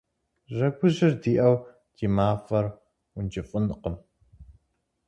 Жьэгужьыр диӏэу ди мафӏэр ункӏыфӏынкъым.